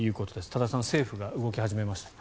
多田さん政府が動き始めました。